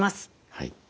はい。